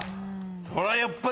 これはやっぱり。